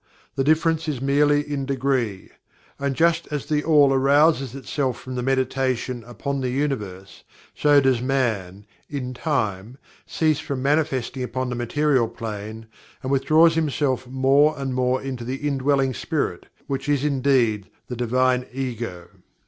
The difference is merely in degree. And just as THE ALL arouses itself from the meditation upon the Universe, so does Man (in time) cease from manifesting upon the Material Plane, and withdraws himself more and more into the Indwelling Spirit, which is indeed "The Divine Ego."